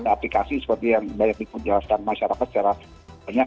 aplikasi seperti yang banyak diperjelaskan masyarakat secara banyak